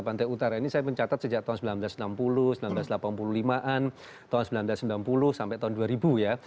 pantai utara ini saya mencatat sejak tahun seribu sembilan ratus enam puluh seribu sembilan ratus delapan puluh lima an tahun seribu sembilan ratus sembilan puluh sampai tahun dua ribu ya